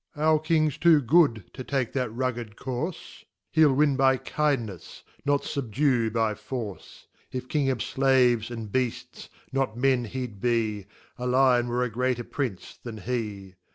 D 2 Our Our King's too good to take that rugged courfe ; He'll win by kindne(s,Miot fubdue by force. If King of Slaves and Beajis, not Men he'd he, A Lyon were a greater Prince than be.